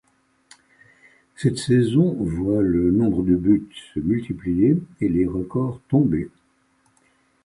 Cette saison voit le nombre de buts se multiplier et les records tomber.